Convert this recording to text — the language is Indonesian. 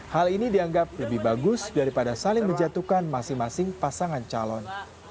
hal ini dianggap lebih bagus daripada saling menjatuhkan masing masing pasangan calon